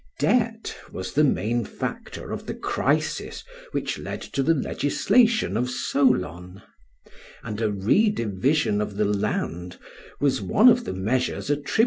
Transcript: Debt was the main factor of the crisis which led to the legislation of Solon; and a re division of the land was one of the measures attributed to Lycurgus.